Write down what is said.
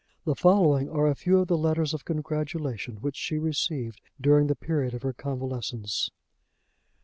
The following are a few of the letters of congratulation which she received during the period of her convalescence.